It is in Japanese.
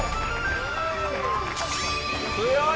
強い。